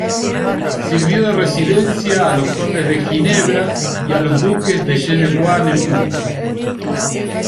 Sirvió de residencia a los condes de Ginebra y a los duques de Genevois-Nemours.